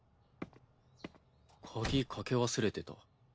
鍵掛け忘れてた。